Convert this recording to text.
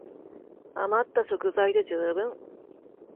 あまった食材で充分